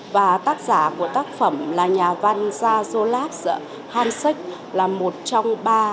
và tác giả của tác phẩm là nhà văn daroslahan xéc là một trong ba